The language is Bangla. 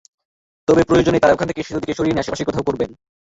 তবে প্রয়োজনে তারা ওখান থেকে সেতুটিকে সরিয়ে নিয়ে আশপাশে কোথাও করবেন।